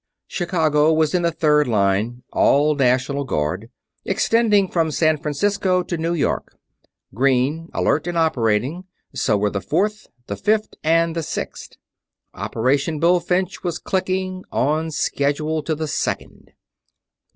Chicago was in the Third Line, all National Guard, extending from San Francisco to New York. Green alert and operating. So were the Fourth, the Fifth, and the Sixth. Operation Bullfinch was clicking; on schedule to the second.